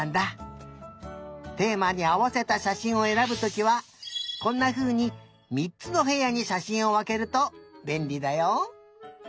テーマにあわせたしゃしんをえらぶときはこんなふうに３つのへやにしゃしんをわけるとべんりだよ。